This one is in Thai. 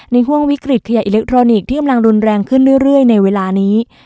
ห่วงวิกฤตขยะอิเล็กทรอนิกส์ที่กำลังรุนแรงขึ้นเรื่อยในเวลานี้